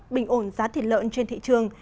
bình ổn giá thịt lợn trên thị trường